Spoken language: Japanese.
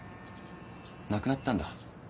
亡くなったんだ。